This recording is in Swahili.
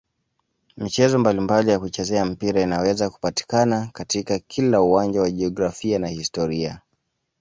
Michezo mbalimbali ya kuchezea mpira inaweza kupatikana katika kila uwanja wa jiografia na historia.